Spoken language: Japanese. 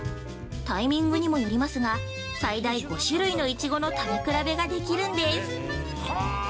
タイミングにもよりますが、最大５種類のいちごの食べ比べができるんです。